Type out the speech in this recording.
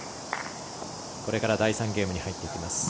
これから第３ゲームに入っていきます。